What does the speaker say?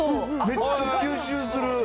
めっちゃ吸収する。